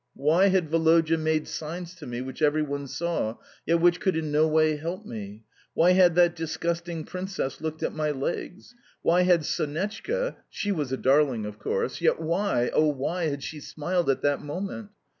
Why had Woloda made signs to me which every one saw, yet which could in no way help me? Why had that disgusting princess looked at my legs? Why had Sonetchka she was a darling, of course! yet why, oh why, had she smiled at that moment?